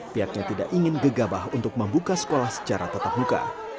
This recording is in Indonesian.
pihaknya tidak ingin gegabah untuk membuka sekolah secara tetap muka